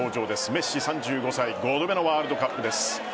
メッシ、３５歳５度目のワールドカップです。